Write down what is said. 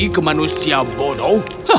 api ke manusia bodoh